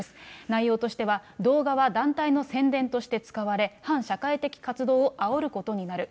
内容としては、動画は団体の宣伝として使われ、反社会的活動をあおることになる。